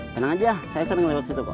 tenang aja saya senang lewat situ pak